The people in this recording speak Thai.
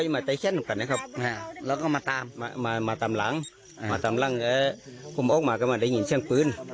มาตามหลังมาตามหลังผมออกมาก็มาได้ยินเสียงปืน